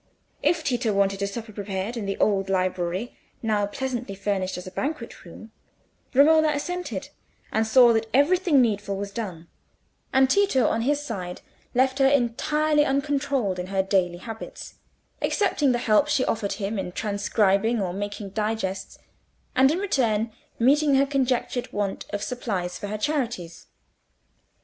If Tito wanted a supper prepared in the old library, now pleasantly furnished as a banqueting room, Romola assented, and saw that everything needful was done: and Tito, on his side, left her entirely uncontrolled in her daily habits, accepting the help she offered him in transcribing or making digests, and in return meeting her conjectured want of supplies for her charities.